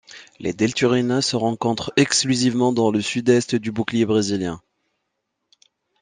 Les Delturinae se rencontrent exclusivement dans le sud-est du bouclier brésilien.